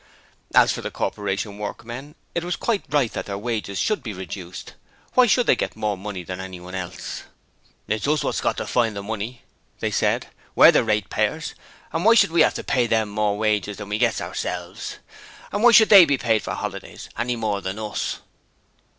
As for the Corporation workmen, it was quite right that their wages should be reduced. Why should they get more money than anyone else? 'It's us what's got to find the money,' they said. 'We're the ratepayers, and why should we have to pay them more wages than we get ourselves? And why should they be paid for holidays any more than us?'